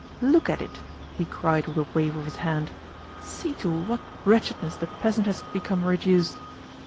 "Look at it!" he cried with a wave of his hand. "See to what wretchedness the peasant has become reduced!